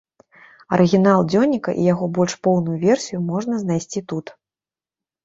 Арыгінал дзённіка і яго больш поўную версію можна знайсці тут.